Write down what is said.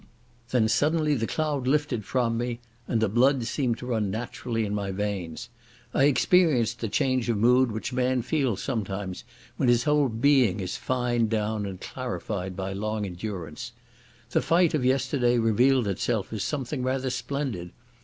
Then suddenly the cloud lifted from me, and the blood seemed to run naturally in my veins. I experienced the change of mood which a man feels sometimes when his whole being is fined down and clarified by long endurance. The fight of yesterday revealed itself as something rather splendid.